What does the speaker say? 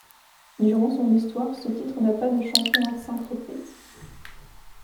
Durant son histoire, ce titre n'a pas de champion à cinq reprises.